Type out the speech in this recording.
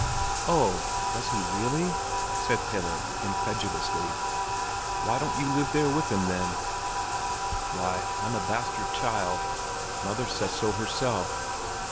"Oh, does he really?" said Pelle, incredulously. "Why don't you live there with him, then?" "Why, I'm a bastard child; mother says so herself."